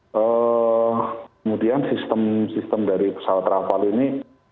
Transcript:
kemudian sistem sistem dari pesawat rafael ini